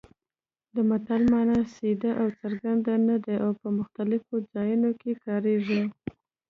د متل مانا سیده او څرګنده نه ده او په مختلفو ځایونو کې کارېږي